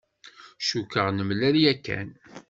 Cukkeɣ nemlal yakan.